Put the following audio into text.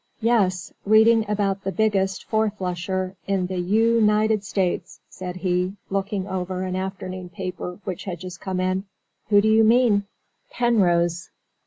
"Yes, reading about the biggest four flusher in the Yew nited States," said he, looking over an afternoon paper which had just come in. "Who do you mean?" "Penrose.